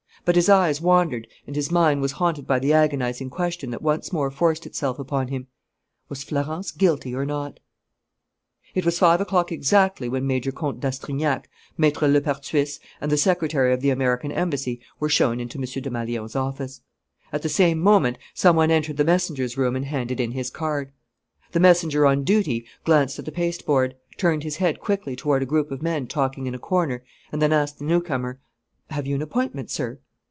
But his eyes wandered and his mind was haunted by the agonizing question that once more forced itself upon him: was Florence guilty or not? It was five o'clock exactly when Major Comte d'Astrignac, Maître Lepertuis, and the secretary of the American Embassy were shown into M. Desmalions's office. At the same moment some one entered the messengers' room and handed in his card. The messenger on duty glanced at the pasteboard, turned his head quickly toward a group of men talking in a corner, and then asked the newcomer: "Have you an appointment, sir?"